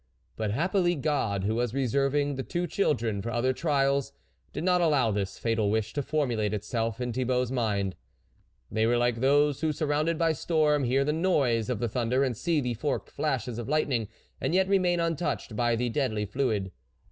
But happily, God, who was reserving the two children tor other trials, did not allow this fatal wish to formulate itself in Thibault's mind. They were like those who, sur rounded by storm, hear the noise of the thunder and see the forked flashes of the lightning, and yet remain untouched by the deadly fluid.